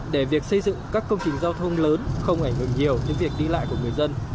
để việc xây dựng các công trình giao thông lớn không ảnh hưởng nhiều đến việc đi lại của người dân